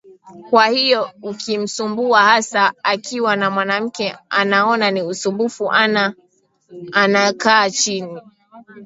kwa hiyo ukimsumbua hasa akiwa ni mwanamke anaona ni usumbufu ana ana kaa chini